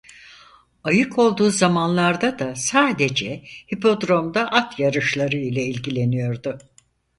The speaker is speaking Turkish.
Ayık olduğu zamanlarda da sadece hipodromda at yarışları ile ilgileniyordu.